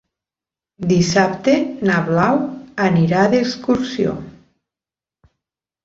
Dissabte na Blau anirà d'excursió.